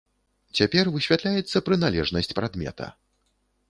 Цяпер высвятляецца прыналежнасць прадмета.